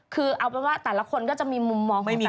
คือเอาเป็นว่าแต่ละคนก็จะมีมุมมองของแต่ละคน